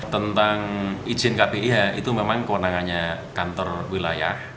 tentang izin kpih itu memang kewenangannya kantor wilayah